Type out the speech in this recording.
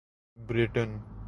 Britain